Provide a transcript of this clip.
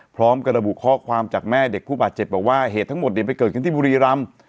พร้อมกระดบุข้อขวามจากแม่เด็กผู้บาดเจ็บละว่าเหตุทั้งหมดเดี่ยวเกิดที่บุรีรัม